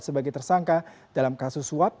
sebagai tersangka dalam kasus suap